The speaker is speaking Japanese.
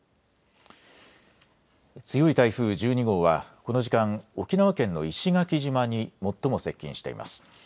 強い台風１２号はこの時間、沖縄県の石垣島に最も接近してます。